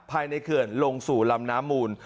เขื่อนลงสู่ลำน้ำมูล